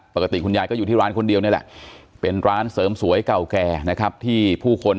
ปกติคุณยายก็อยู่ที่ร้านคนเดียวนี่แหละเป็นร้านเสริมสวยเก่าแก่นะครับที่ผู้คน